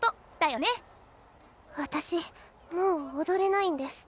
私もう踊れないんです。